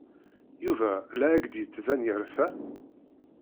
Yuba la ak-d-yettban yerfa?